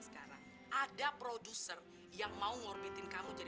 kamu mau dengan saya